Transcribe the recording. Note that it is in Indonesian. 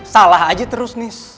salah aja terus nis